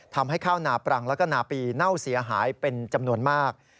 ทำให้ข้าวนาปรังแล้วก็นาปีเน่าเสียหายเป็นจำนวนมาก